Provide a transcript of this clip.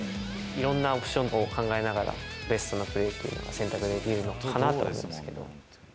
いろんなオプションを考えながら、ベストのプレーっていうのが選択できるのかなと思うんですけど。